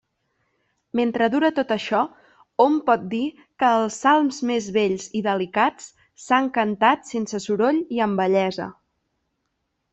Mentre dura tot això, hom pot dir que els salms més bells i delicats s'han cantat sense soroll i amb bellesa.